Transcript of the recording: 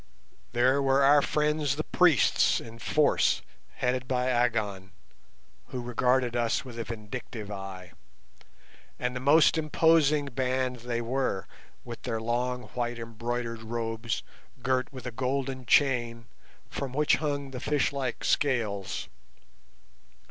There were our friends the priests in force, headed by Agon, who regarded us with a vindictive eye; and a most imposing band they were, with their long white embroidered robes girt with a golden chain from which hung the fish like scales.